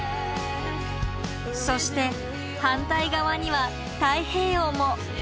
そして反対側には太平洋も。